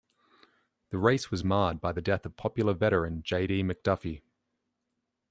The race was marred by the death of popular veteran J. D. McDuffie.